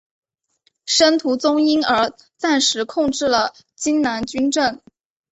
申屠琮因而暂时控制了荆南军政。